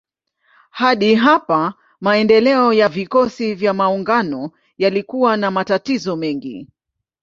Hadi hapa maendeleo ya vikosi vya maungano yalikuwa na matatizo mengi.